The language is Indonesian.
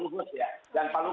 merakuti dan hukum yang